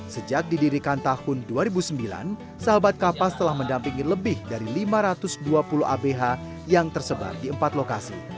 sejak didirikan tahun dua ribu sembilan sahabat kapas telah mendampingi lebih dari lima ratus dua puluh abh yang tersebar di empat lokasi